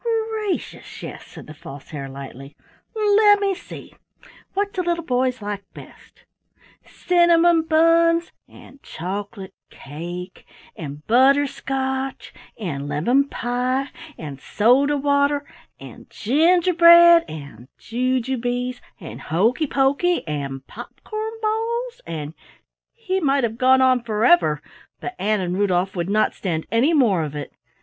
"Gracious, yes," said the False Hare lightly. "Lemme see! What do little boys like best? Cinnamon buns an' chocolate cake an' butterscotch an' lemon pie an' soda water an' gingerbread an' jujubes an' hokey pokey an 'popcorn balls an' " He might have gone on forever, but Ann and Rudolf would not stand any more of it.